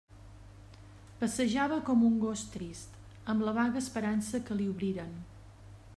Passejava com un gos trist, amb la vaga esperança que li obriren.